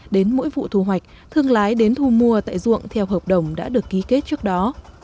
đến mỗi vụ thu hoạch thương lái đến thu mua tại ruộng theo hợp đồng đã được ký kết trước đó